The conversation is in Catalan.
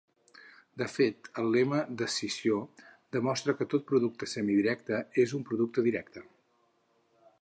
De fet, el lema d'escissió demostra que tot producte semidirecte és un producte directe.